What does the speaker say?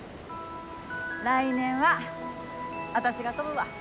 来年は私が飛ぶわ！